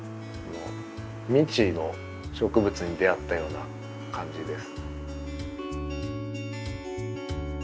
未知の植物に出会ったような感じです。